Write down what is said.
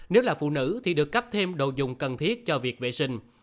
nếu là phụ nữ thì được cấp thêm đồ dùng cần thiết cho việc vệ sinh